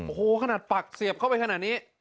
โอ้โหขนาดปักเสียบเข้าไปขนาดนี้